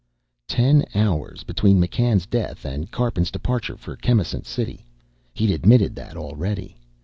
Ten hours between McCann's death and Karpin's departure for Chemisant City. He'd admitted that already.